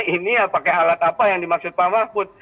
ini ya pakai alat apa yang dimaksud pak mahfud